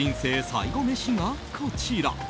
最後メシが、こちら。